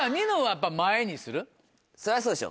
そりゃそうでしょ。